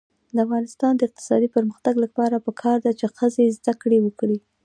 د افغانستان د اقتصادي پرمختګ لپاره پکار ده چې ښځې زده کړې وکړي.